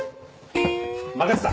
任せた。